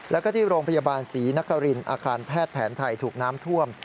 แล้วก็ที่โรงพยาบาลศรีนครินอาคารแพทย์แผนไทยถูกน้ำท่วม